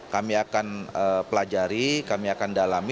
kami akan pelajari kami akan dalami